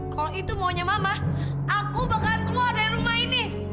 kalau itu maunya mama aku bakalan keluar dari rumah ini